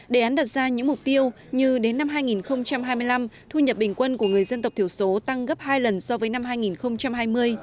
đề án đặt ra những mục tiêu như đến năm hai nghìn hai mươi năm thu nhập bình quân của người dân tộc thiểu số tăng gấp hai lần so với năm hai nghìn hai mươi